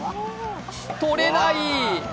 とれない！